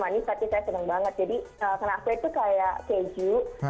jadi kenafe tuh kayak keju kejunya